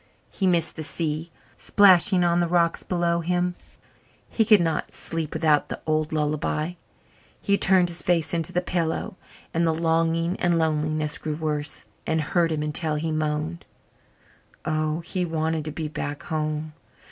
He missed the sea plashing on the rocks below him he could not sleep without that old lullaby. He turned his face into the pillow, and the longing and loneliness grew worse and hurt him until he moaned. Oh, he wanted to be back home!